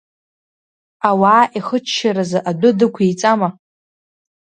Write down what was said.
Ауаа ихыччаразы адәы дықәиҵама?